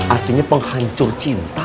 artinya penghancur cinta